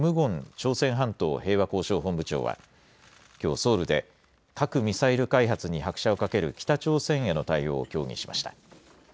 朝鮮半島平和交渉本部長はきょうソウルで核・ミサイル開発に拍車をかける北朝鮮への対応を協議しました。